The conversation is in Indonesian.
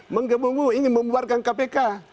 menggebu gebu ingin membuarkan kpk